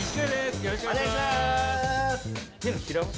よろしくお願いします。